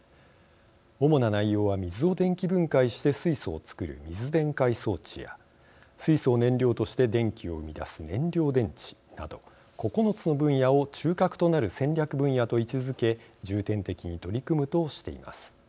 主な内容は水を電気分解して水素を作る水電解装置や水素を燃料として電気を生み出す燃料電池など９つの分野を中核となる戦略分野と位置づけ重点的に取り組むとしています。